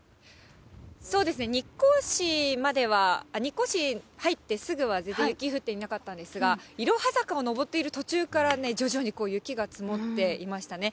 そうですね、日光市までは、日光市入ってすぐは、全然、雪降っていなかったんですが、いろは坂を上っている途中から徐々にこう、雪が積もっていましてね。